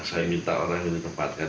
saya minta orang ini tempatkan